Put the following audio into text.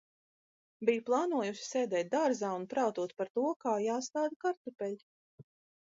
Biju plānojusi sēdēt dārzā un prātot par to, kā jāstāda kartupeļi.